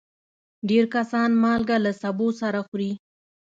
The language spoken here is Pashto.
ډېر کسان مالګه له سبو سره خوري.